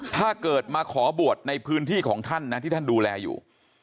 ถ้าเกิดมาขอบวชในพื้นที่ของท่านนะที่ท่านดูแลอยู่